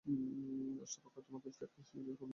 রাষ্টপক্ষ তোমাকে ফ্রেড কেসলিকে খুনের জন্য অভিযুক্ত করেছে।